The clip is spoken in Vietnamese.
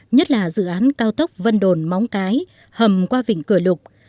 nhất là dự án cao tốc vân đồn móng cái hầm qua vịnh cửa lục